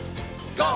ＧＯ！